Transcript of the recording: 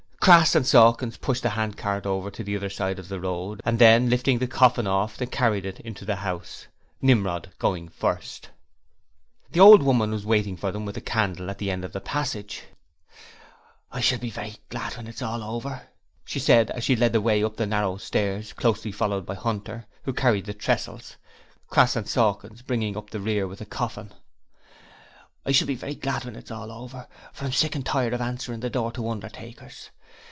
Crass and Sawkins pushed the handcart over to the other side of the road and then, lifting the coffin off, they carried it into the house, Nimrod going first. The old woman was waiting for them with the candle at the end of the passage. 'I shall be very glad when it's all over,' she said, as she led the way up the narrow stairs, closely followed by Hunter, who carried the tressels, Crass and Sawkins, bringing up the rear with the coffin. 'I shall be very glad when it's all over, for I'm sick and tired of answerin' the door to undertakers.